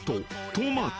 トマト］